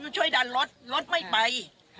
ช่วยดันรถรถไม่ไป